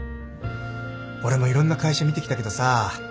俺もいろんな会社見てきたけどさ